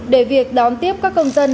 để việc đón tiếp các công dân